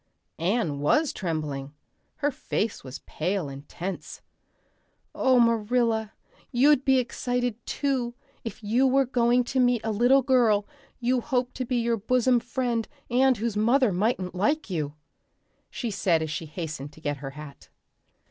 Anne was trembling. Her face was pale and tense. "Oh, Marilla, you'd be excited, too, if you were going to meet a little girl you hoped to be your bosom friend and whose mother mightn't like you," she said as she hastened to get her hat.